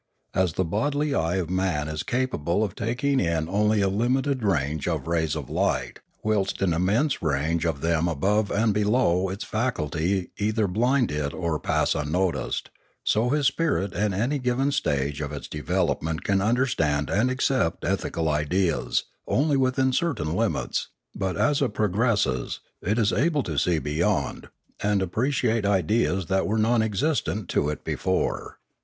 As the bodily eye of man is capable of taking in only a limited range of rays of light, whilst an immense range of them above and below its faculty either blind it or pass unnoticed, so his spirit at any given stage of its development can understand and accept ethical ideas only within certain limits; but, as it progresses, it is able to see beyond, and appreciate ideas that were non existent to it before.